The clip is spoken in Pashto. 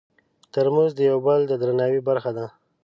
ترموز د یو بل د درناوي برخه ده.